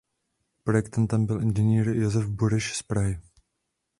Projektantem byl ing. Josef Bureš z Prahy.